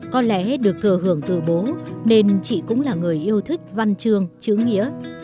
có lẽ được thừa hưởng từ bố nên chị cũng là người yêu thích văn chương chữ nghĩa